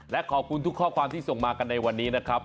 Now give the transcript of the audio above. และขอบคุณทุกข้อความที่ส่งมากันในวันนี้นะครับ